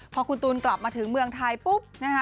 พอคุณตูนกลับมาถึงเมืองไทยปุ๊บนะคะ